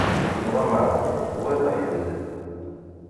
Wa maεduṛ, wayeḍ aḥlil.